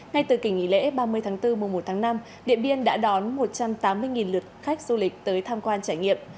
ngay từ kỳ nghỉ lễ ba mươi tháng bốn mùa một tháng năm điện biên đã đón một trăm tám mươi lượt khách du lịch tới tham quan trải nghiệm